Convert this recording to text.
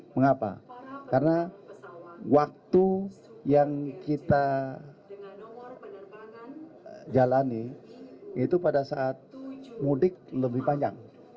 mengapa karena waktu yang kita jalani itu pada saat mudik lebih panjang